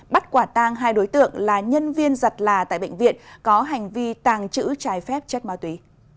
bắt quả tang hai đối tượng là nhân viên giặt là tại bệnh viện có hành vi tàng trữ trái phép chất ma túy